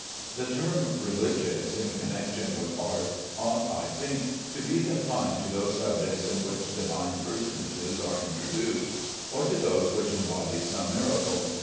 The term "Religious," in connection with art, ought, I think, to be confined to those subjects in which Divine personages are introduced, or to those which embody some miracle.